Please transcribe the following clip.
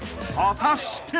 果たして？］